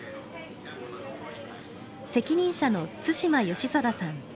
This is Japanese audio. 責任者の対馬慶貞さん。